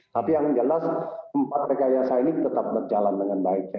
tapi yang jelas empat rekayasa ini tetap berjalan dengan baik ya